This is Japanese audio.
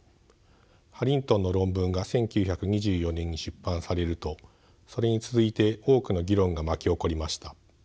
ハリントンの論文が１９２４年に出版されるとそれに続いて多くの議論が巻き起こりました。